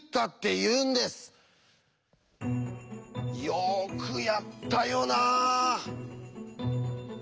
よくやったよなあ！